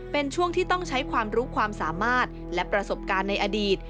เป็นช่วงที่ต้องใช้ความรู้ความสามารถและประสบการณ์ในอดีต